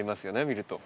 見ると。